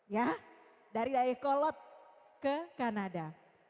ya dari dayakolot ke kanada